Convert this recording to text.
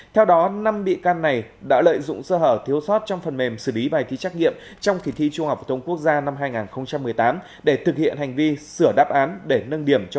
theo đó năm bị can này đã lợi dụng sơ hở thiếu sót trong phần mềm xử lý bài thi trắc nghiệm trong kỳ thi trung học phổ thông quốc gia năm hai nghìn một mươi tám để thực hiện hành vi sửa đáp án để nâng điểm